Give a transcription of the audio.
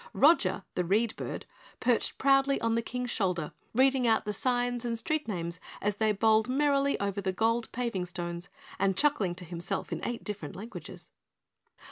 Roger, the Read Bird, perched proudly on the King's shoulder, reading out the signs and street names as they bowled merrily over the gold paving stones, and chuckling to himself in eight different languages.